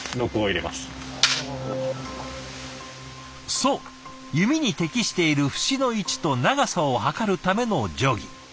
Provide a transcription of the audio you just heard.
そう弓に適している節の位置と長さを測るための定規。